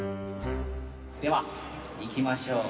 ではいきましょう！